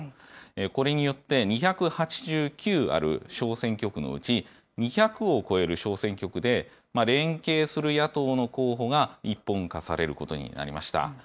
これによって、２８９ある小選挙区のうち、２００を超える小選挙区で、連携する野党の候補が一本化されることになりました。